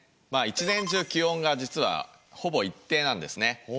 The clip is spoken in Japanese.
まあ一年中気温が実はほぼ一定なんですね。